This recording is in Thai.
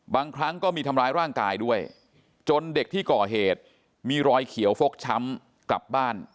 บางครั้งก็มีทำร้ายร่างกายด้วยจนเด็กที่ก่อเหตุมีรอยเขียวฟกช้ำกลับบ้าน